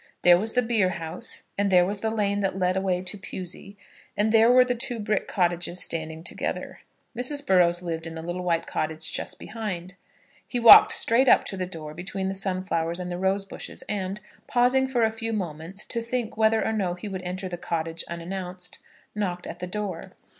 There was the beer house, and there was the lane that led away to Pewsey, and there were the two brick cottages standing together. Mrs. Burrows lived in the little white cottage just behind. He walked straight up to the door, between the sunflowers and the rose bush, and, pausing for a few moments to think whether or no he would enter the cottage unannounced, knocked at the door.